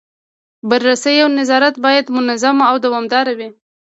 بررسي او نظارت باید منظم او دوامداره وي.